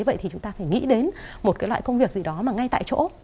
vậy thì chúng ta phải nghĩ đến một cái loại công việc gì đó mà ngay tại chỗ